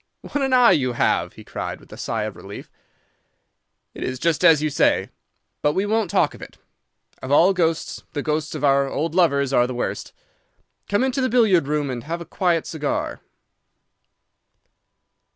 "What an eye you have!" he cried, with a sigh of relief. 'It is just as you say. But we won't talk of it. Of all ghosts the ghosts of our old lovers are the worst. Come into the billiard room and have a quiet cigar.